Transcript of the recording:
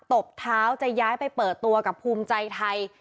ตบเท้าจะย้ายไปเปิดตัวกับภูมิใจไทย